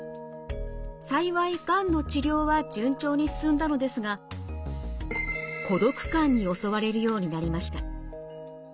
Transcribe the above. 幸いがんの治療は順調に進んだのですが孤独感に襲われるようになりました。